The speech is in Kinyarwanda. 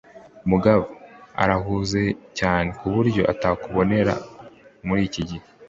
Mugabo arahuze cyane kuburyo atakubona muri iki gihe.